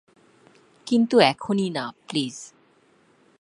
কিন্তু এখনই না প্লিজ।